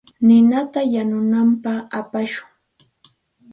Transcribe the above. Ninata yanunapaq apashun.